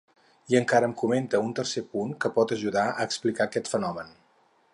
I encara em comenta un tercer punt que pot ajudar a explicar aquest fenomen.